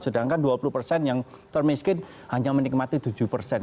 sedangkan dua puluh persen yang termiskin hanya menikmati tujuh persen